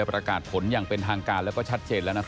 ประกาศผลอย่างเป็นทางการแล้วก็ชัดเจนแล้วนะครับ